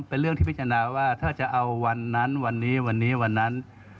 เป็นเรื่องที่พิจารณาว่าถ้าจะเอาวันนั้นวันนี้วันนี้วันนั้น